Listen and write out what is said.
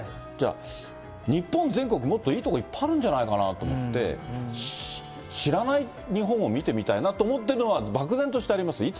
じゃあ、日本全国、もっといい所いっぱいあるんじゃないかなと思って、知らない日本を見てみたいなと思ってるのは、漠然としてあります。